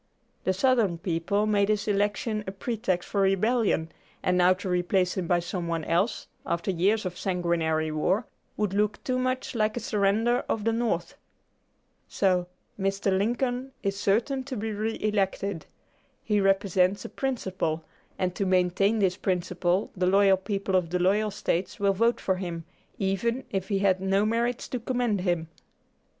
The Southern people made his election a pretext for rebellion, and now to replace him by some one else, after years of sanguinary war, would look too much like a surrender of the North. So, Mr. Lincoln is certain to be re elected. He represents a principle, and to maintain this principle the loyal people of the loyal States will vote for him, even if he had no merits to commend him."